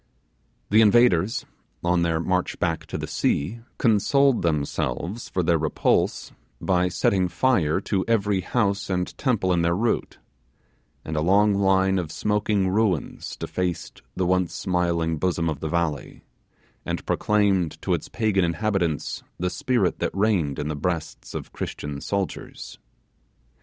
The invaders, on their march back to the sea, consoled themselves for their repulse by setting fire to every house and temple in their route; and a long line of smoking ruins defaced the once smiling bosom of the valley, and proclaimed to its pagan inhabitants the spirit that reigned in the breasts of Christian soldiers.